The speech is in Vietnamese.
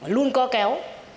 luôn co kéo